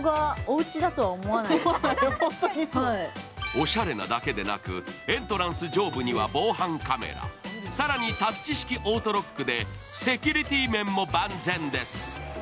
おしゃれなだけでなくエントランス上部には防犯カメラ、更にタッチ式オートロックでセキュリティー面も万全です。